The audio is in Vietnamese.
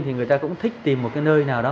thì người ta cũng thích tìm một cái nơi nào đó